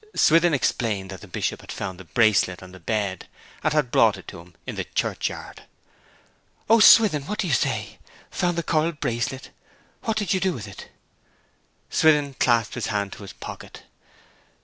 Swithin explained that the Bishop had found the bracelet on the bed, and had brought it to him in the churchyard. 'O Swithin, what do you say? Found the coral bracelet? What did you do with it?' Swithin clapped his hand to his pocket.